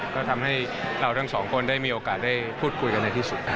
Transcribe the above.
ก็ทำให้เราทั้งสองคนได้มีโอกาสได้พูดคุยกันในที่สุดครับ